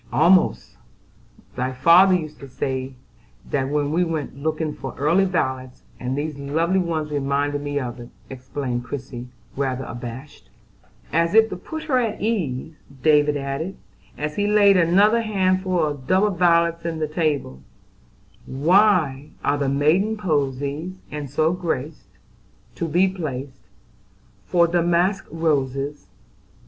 "Almost; my father used to say that when we went looking for early violets, and these lovely ones reminded me of it," explained Christie, rather abashed. [Illustration: DAVID AND CHRISTIE IN THE GREENHOUSE.] As if to put her at ease David added, as he laid another handful of double violets on the table: "'Y' are the maiden posies, And so graced, To be placed Fore damask roses.